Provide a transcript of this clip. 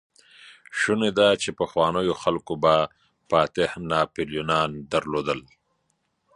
شونې ده، چې پخوانيو خلکو به فاتح ناپليونان درلودل.